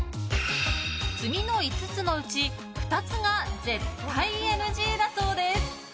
次の５つのうち２つが絶対ＮＧだそうです。